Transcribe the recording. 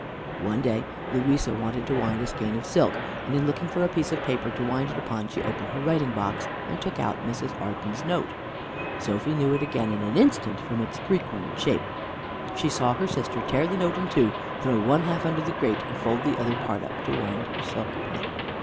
One day Louisa wanted to wind a skein of silk, and in looking for a piece of paper to wind it upon she opened her writing box, and took out Mrs. Arden's note. Sophy knew it again in an instant from its three cornered shape. She saw her sister tear the note in two, throw one half under the grate, and fold the other part up to wind her silk upon.